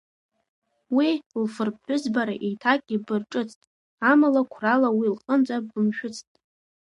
Уи лфырԥҳәызбара еиҭах ибырҿыцт, амала қәрала уи лҟынӡа бымшәыцт.